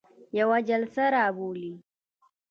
یوه جلسه را بولي.